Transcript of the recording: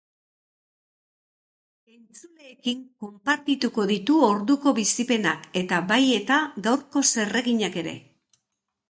Entzuleekin konpartituko ditu orduko bizipenak eta bai eta gaurko zereginak ere.